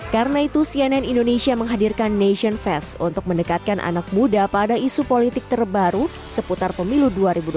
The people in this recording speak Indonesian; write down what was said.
karena itu cnn indonesia menghadirkan nation fest untuk mendekatkan anak muda pada isu politik terbaru seputar pemilu dua ribu dua puluh empat